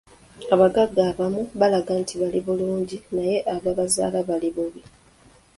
Abagagga abamu balaga nti bali bulungi naye ababazaala bali bubi.